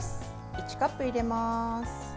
１カップ入れます。